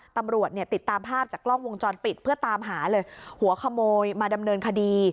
ตำรวจเนี่ยติดตามภาพจากกล้องวงจรปิดเพื่อตามหาเลยหัวขโมยมาดำเนินคดี